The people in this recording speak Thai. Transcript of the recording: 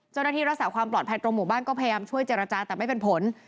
เจ้าหน้าที่รักษาความปลอดภัยตรงหมู่บ้านก็พยายามช่วยเจรจาแต่ไม่เป็นผล